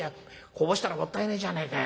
こぼしたらもったいねえじゃねえかよ。